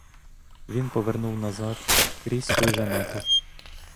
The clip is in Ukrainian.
Він повернув назад, крізь той же натовп.